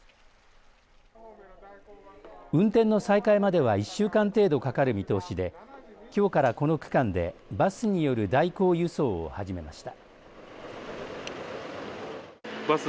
運転の再開までは１週間程度かかる見通しできょうからこの区間でバスによる代行輸送を始めました。